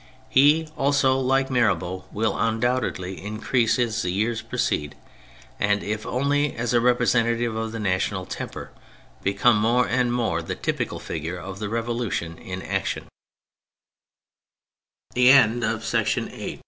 He also, like Mirabeau, will undoubtedly in crease as the years proceed, and, if only as a representative of the national temper, become more and more the typical figure of the Revolution in ac